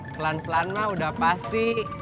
pelan pelan mah udah pasti